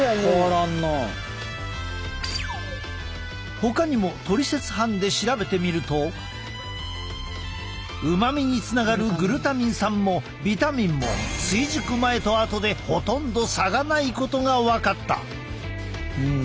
ほかにもトリセツ班で調べてみるとうまみにつながるグルタミン酸もビタミンも追熟前と後でほとんど差がないことが分かった。